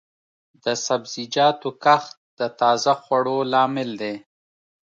د سبزیجاتو کښت د تازه خوړو لامل دی.